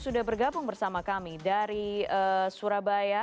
sudah bergabung bersama kami dari surabaya